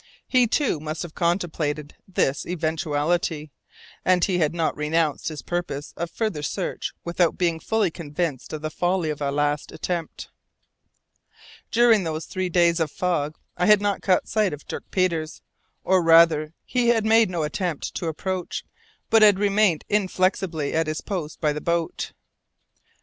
He, too, must have contemplated this eventuality, and he had not renounced his purpose of further search without being fully convinced of the folly of a last attempt. During those three days of fog I had not caught sight of Dirk Peters, or rather he had made no attempt to approach, but had remained inflexibly at his post by the boat.